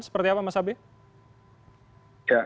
seperti apa mas abe